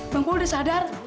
bangku udah sadar